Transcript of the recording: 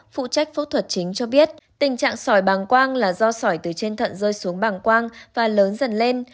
phụ trách phẫu thuật chính cho biết tình trạng sỏi bàng quang là do sỏi từ trên thận rơi xuống bảng quang và lớn dần lên